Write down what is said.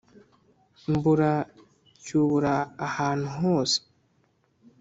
mbura cyubura ahantu hose